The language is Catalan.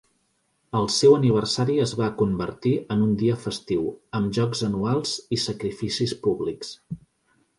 El seu aniversari es va convertir en un dia festiu, amb jocs anuals i sacrificis públics.